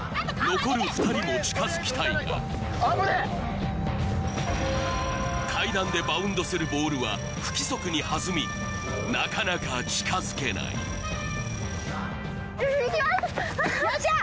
残る２人も近づきたいが階段でバウンドするボールは不規則にはずみなかなか近づけないよっしゃ！